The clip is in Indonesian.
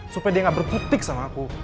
supaya dia gak berkutik sama aku